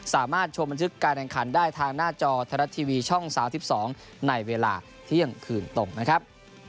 สามารถชมบันทึกการแข่งขันได้ทางหน้าจอไทยรัฐทีวีช่อง๓๒ในเวลาเที่ยงคืนตรงนะครับ